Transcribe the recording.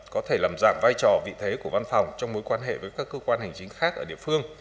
có thể làm giảm vai trò vị thế của văn phòng trong mối quan hệ với các cơ quan hành chính khác ở địa phương